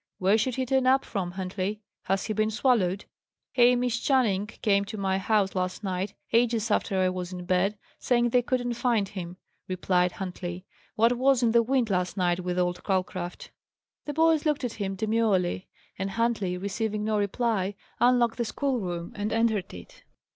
"Where should he turn up from, Huntley? Has he been swallowed?" "Hamish Channing came to our house last night, ages after I was in bed, saying they couldn't find him," replied Huntley. "What was in the wind last night with old Calcraft?" The boys looked at him demurely; and Huntley, receiving no reply, unlocked the schoolroom and entered it.